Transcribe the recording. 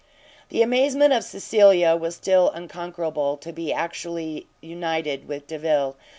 The amazement of Cecilia was still unconquerable; to be actually united with Delvile!